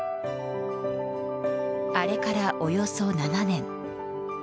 あれからおよそ７年。